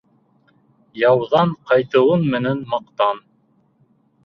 Яуҙан ҡайтыуың менән маҡтан.